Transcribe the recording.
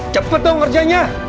cepet dong kerjanya